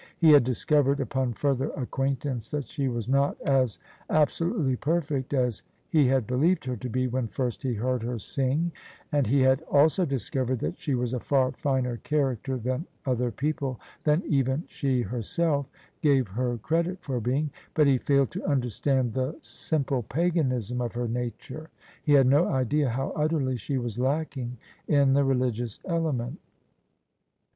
He had discovered upon further acquaintance that she was not as absolutely perfect as he had believed her to be when first he heard her sing: and he had also discovered that she was a far finer character than other people — than even she her self — gave her credit for being: but he failed to understand the simple Paganism of her nature — ^he had no idea how utterly she was lacking in the religious element.